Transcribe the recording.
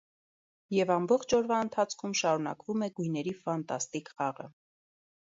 Եվ ամբողջ օրվա ընթացքում շարունակվում է գույների ֆանտաստիկ խաղը։